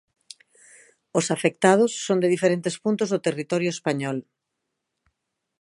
Os afectados son de diferentes puntos do territorio español.